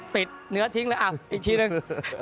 ปิดเนื้อทิ้งเลยอ้าวอีกชีวิตหนึ่ง